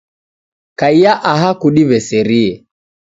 Kaiya aha kudiweserie